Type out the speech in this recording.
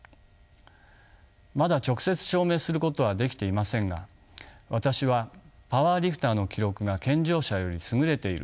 まだ直接証明することはできていませんが私はパワーリフターの記録が健常者より優れている